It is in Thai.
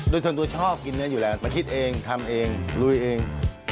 โดยส่วนตัวชอบกินเนื้ออยู่แล้วมาคิดเองทำเองลุยเอง